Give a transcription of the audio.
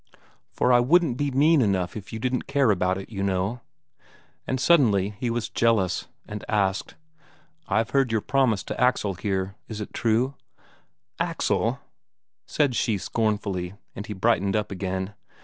"For I wouldn't be mean enough if you didn't care about it, you know." And suddenly he was jealous, and asked: "I've heard say you're promised to Axel here; is it true?" "Axel?" she said scornfully, and he brightened up again.